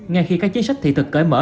ngay khi các chiến sách thị thực cởi mở